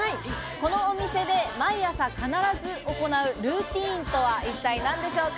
このお店で毎朝必ず行うルーティンとは一体何でしょうか？